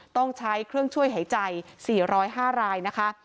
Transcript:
ต้องใช้เครื่องช่วยหายใจ๔๐๕รายนะคะ